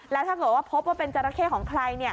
แล้วถ้าเกิดว่าพบว่าเป็นจราเข้ของใคร